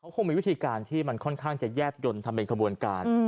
คงมีวิธีการที่มันค่อนข้างจะแยบยนต์ทำเป็นขบวนการ